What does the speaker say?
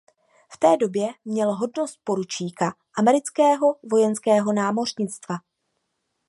V té době měl hodnost poručíka amerického vojenského námořnictva.